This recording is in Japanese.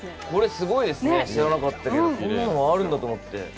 すごいですね、知らなかったですけどこんなのがあるんだと思って。